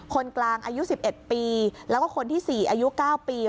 คนกลางอายุ๑๑ปีแล้วก็คนที่๔อายุ๙ปี